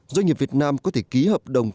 doanh nghiệp việt nam có thể ký hợp đồng